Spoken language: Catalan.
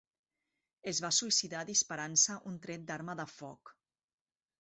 Es va suïcidar disparant-se un tret d'arma de foc.